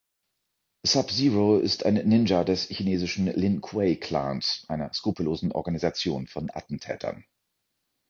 Sub-Zero ist ein Ninja des chinesischen Lin-Kuei-Klans, einer skrupellosen Organisation von Attentätern.